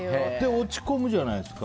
落ち込むじゃないですか。